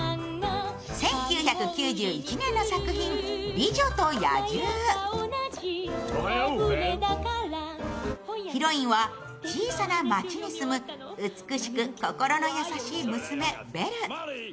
ピンポーンヒロインは小さな街に住む美しく心の優しい娘・ベル。